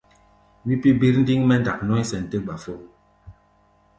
Wí pí̧ birndiŋ mɛ́ ndak nɔ̧́í̧ sɛn tɛ́ gbafón.